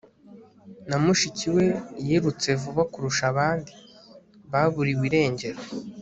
na mushiki we, yirutse vuba kurusha abandi. baburiwe irengero